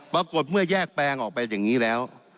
ปรากฏเมื่อแยกแปลงออกไปอย่างนี้แล้ว